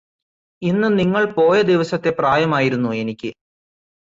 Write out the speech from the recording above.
ഇന്ന് നിങ്ങള് പോയ ദിവസത്തെ പ്രായമായിരിക്കുന്നു എനിക്ക്